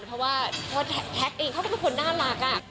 เพราะว่าแท็กเองเขาก็เป็นคนน่ารัก